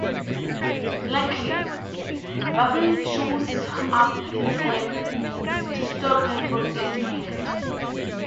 Luckily, Buffy shows up in time to stop her from getting hurt.